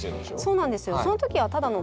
そうなんですよ。